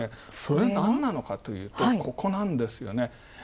それ、何なのかというとここなんですよね。